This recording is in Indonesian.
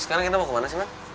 sekarang kita mau kemana sih mas